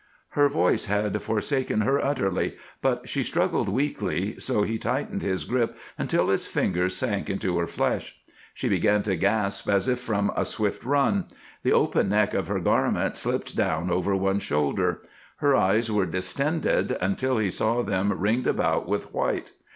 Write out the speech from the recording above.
Her voice had forsaken her utterly, but she struggled weakly, so he tightened his grip until his fingers sank into her flesh. She began to gasp as if from a swift run; the open neck of her garment slipped down over one shoulder; her eyes were distended until he saw them ringed about with white.